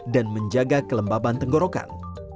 dan menjaga kelembaban tenggorokan